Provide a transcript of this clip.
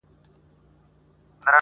څرخ یې وخوړ او کږه سوه ناببره!!